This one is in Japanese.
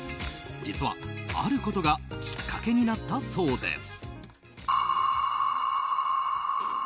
実は、あることがきっかけになったそうです。